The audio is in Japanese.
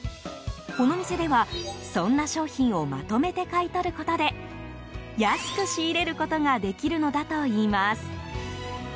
この店では、そんな商品をまとめて買い取ることで安く仕入れることができるのだといいます。